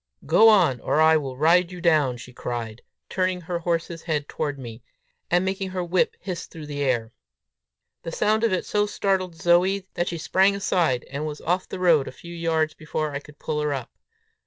"Go on, or I will ride you down," she cried, turning her horse's head toward me, and making her whip hiss through the air. The sound of it so startled Zoe, that she sprang aside, and was off the road a few yards before I could pull her up.